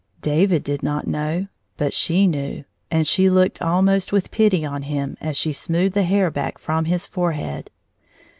David did not know; but she knew, and she looked almost with pity on him as she smoothed the hair back from his forehead.